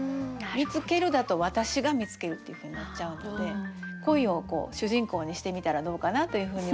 「見つける」だと私が見つけるっていうふうになっちゃうので恋を主人公にしてみたらどうかなというふうに思います。